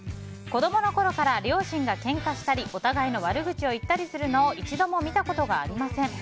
子供のころから両親がけんかしたりお互いの悪口を言ったりするのを一度も見たことがありません。